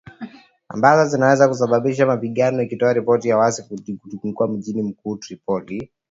Ambazo zinaweza kusababisha mapigano ikitoa ripoti za waasi wanaojihami kuzunguka mji mkuu Tripoli.